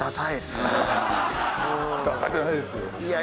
ダサくないですよ。